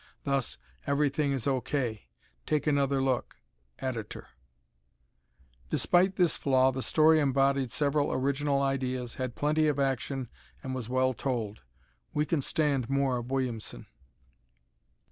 Thus, everything is O. K. Take another look. Ed.] Despite this flaw the story embodied several original ideas, had plenty of action, and was well told. We can stand more of Williamson.